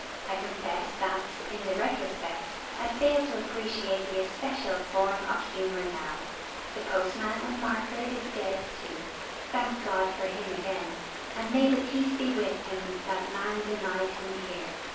I confess that, in the retrospect, I fail to appreciate the especial form of humour now. The postman and marker is dead too, thank God for him again, and may the peace be with him that man denied him here!